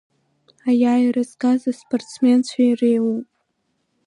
Аиааира згаз аспортсменцәа иреиуоуп…